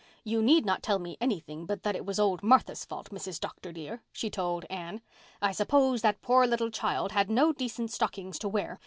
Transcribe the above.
"You need not tell me anything but that it was old Martha's fault, Mrs. Dr. dear." she told Anne. "I suppose that poor little child had no decent stockings to wear.